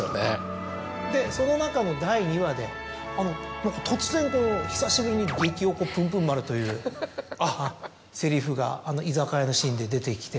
その中の第２話で突然久しぶりに。というセリフが居酒屋のシーンで出てきて。